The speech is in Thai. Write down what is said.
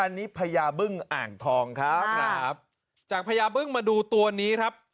อันนี้พญาบึ้งอ่างทองครับครับจากพญาบึ้งมาดูตัวนี้ครับ